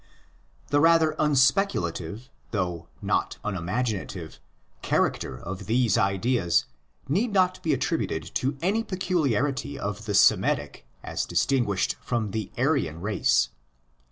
The rather unspeculative, though not unimaginative, character of these ideas need not be attributed to any peculiarity of the Semitic as distinguished from the Aryan race.